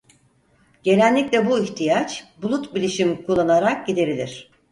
Genellikle bu ihtiyaç bulut bilişim kullanarak giderilir.